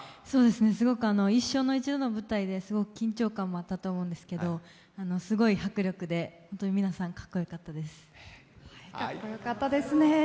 すごく一生に一度の舞台ですごく緊張感もあったと思うんですけど、すごい迫力で本当に皆さんかっこよかったです。